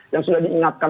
yang sudah diingatkan